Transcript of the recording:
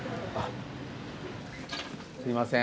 すいません。